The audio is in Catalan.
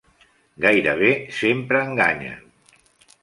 Gairebé sempre enganyen.